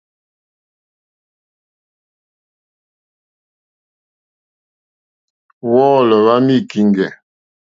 Wɔ́ɔ̌lɔ̀ wá má í kíŋɡɛ̀.